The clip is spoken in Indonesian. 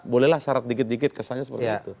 bolehlah syarat dikit dikit kesannya seperti itu